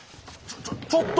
ちょちょっと！